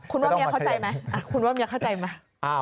คุณว่าเมียเข้าใจไหมคุณว่าเมียเข้าใจไหม